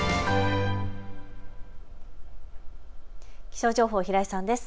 気象情報、平井さんです。